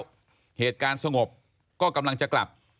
ต่างจากที่สงบกำลังจะกลับ